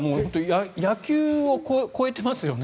野球を超えてますよね。